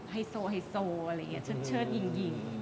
ไฮโซไฮโซอะไรอย่างนี้เชิดหญิง